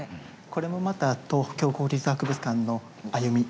これもまた東京国立博物館の歩み